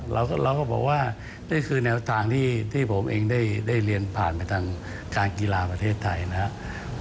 เราก็บอกว่านี่คือแนวทางที่ผมเองได้เรียนผ่านไปทางการกีฬาประเทศไทยนะครับ